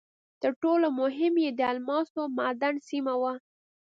تر ټولو مهم یې د الماسو معدن سیمه وه.